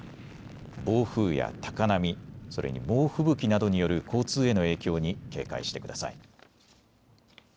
暴風や高波、それに猛吹雪などによる交通への影響に警戒してください。